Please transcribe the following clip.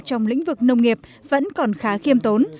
trong lĩnh vực nông nghiệp vẫn còn khá khiêm tốn